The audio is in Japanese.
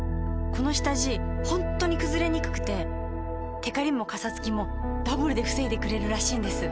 この下地ホントにくずれにくくてテカリもカサつきもダブルで防いでくれるらしいんです。